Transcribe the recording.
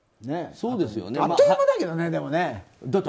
あっという間だけどね、でもね。